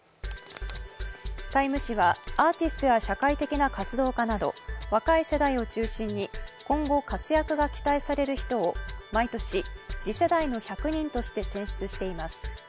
「タイム」誌はアーティストや社会的な活動家など若い世代を中心に今後活躍が期待される人を毎年、次世代の１００人として選出しています。